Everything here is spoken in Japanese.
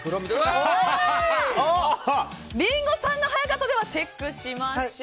リンゴさんが早かったのでチェックしましょう。